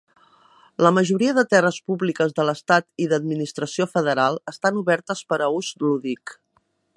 La majoria de terres públiques de l'estat i d'administració federal estan obertes per a ús lúdic.